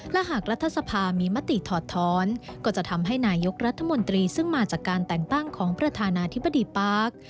และหากรัฐสภามีมติถอดท้อนก็จะทำให้นายกรัฐมนตรีซึ่งมาจากการแต่งตั้งของประธานาธิบดีปาร์ค